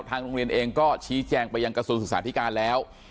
ทางโรงเรียนเองก็ชี้แจงไปยังกระทรวงศึกษาธิการแล้ว